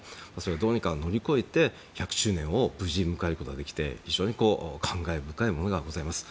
どうにか乗り越えて１００周年を無事迎えることができて非常に感慨深いものがございます。